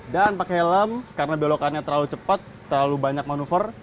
dan pakai helm karena belokannya terlalu cepat terlalu banyak manuver